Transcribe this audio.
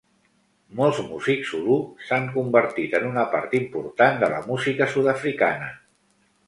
Molts músics Zulu s'han convertit en una part important de la música sud-africana.